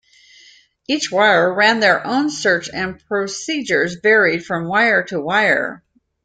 Each Weyr ran their own search, and procedures varied from Weyr to Weyr.